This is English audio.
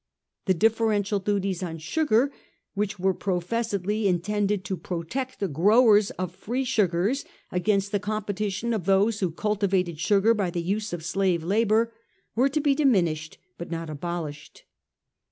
The differential duties on sugar, which were professedly intended to protect the growers of free sugars against the competition of those who cultivated sugar by the use of slave labour, were to be diminis hed, but not abolished.